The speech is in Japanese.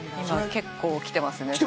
今結構きてますね。